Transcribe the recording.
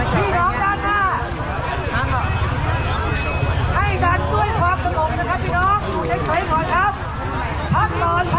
ให้สารด้วยพร้อมครับพี่น้อง